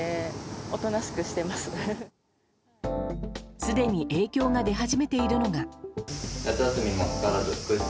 すでに影響が出始めているのが。